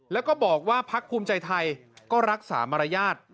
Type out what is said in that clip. แล้วก็บอกว่าพักภูมิใจไทยก็รักษามารยาท